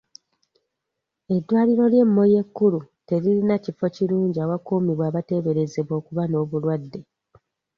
Eddwaliro ly'e Moyo ekkulu terilina kifo kirungi awakuumirwa abateeberezebwa okuba n'obulwadde.